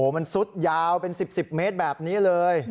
มันสุดยาว๑๐เมตรแบบนี้เลย